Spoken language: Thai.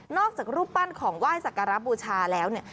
จากรูปปั้นของไหว้สักการะบูชาแล้วเนี่ย